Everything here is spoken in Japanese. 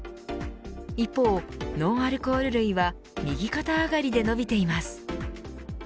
一方、ノンアルコール類は右肩上がりで伸びています。